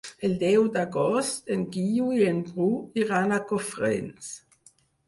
El deu d'agost en Guiu i en Bru iran a Cofrents.